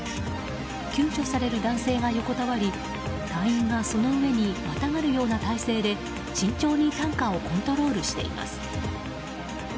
救助される男性が横たわり隊員がその上にまたがるような体勢で慎重に担架をコントロールしています。